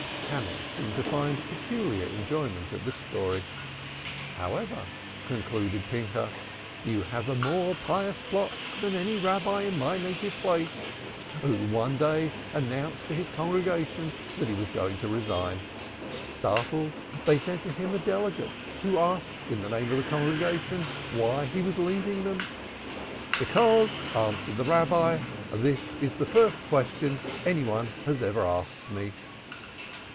'" Hannah seemed to find peculiar enjoyment in the story. "Anyhow," concluded Pinchas, "you have a more pious flock than the Rabbi of my native place, who, one day, announced to his congregation that he was going to resign. Startled, they sent to him a delegate, who asked, in the name of the congregation, why he was leaving them. 'Because,' answered the Rabbi, 'this is the first question any one has ever asked me!'"